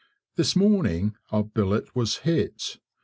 This morning our billet was hit.